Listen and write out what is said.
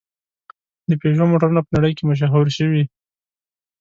د پيژو موټرونه په نړۍ کې مشهور شوي.